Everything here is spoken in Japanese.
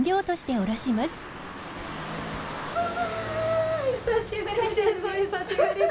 お久しぶりです。